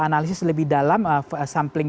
analisis lebih dalam sampling